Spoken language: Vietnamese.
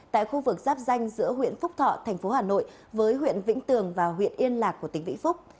tại khu vực giáp danh giữa huyện phúc thọ thành phố hà nội với huyện vĩnh tường và huyện yên lạc của tỉnh vĩnh phúc